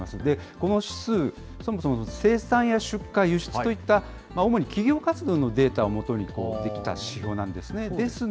この指数、そもそも生産や出荷、輸出といった主に企業活動のデータを基に出来た指標なんですね。